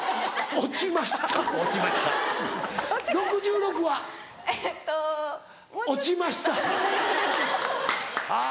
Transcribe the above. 落ちましたはぁ。